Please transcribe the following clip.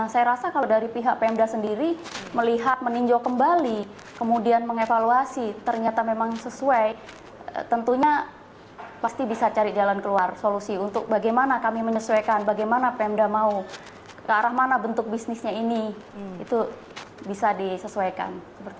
saya rasa kalau dari pihak pemda sendiri melihat meninjau kembali kemudian mengevaluasi ternyata memang sesuai tentunya pasti bisa cari jalan keluar solusi untuk bagaimana kami menyesuaikan bagaimana pemda mau ke arah mana bentuk bisnisnya ini itu bisa disesuaikan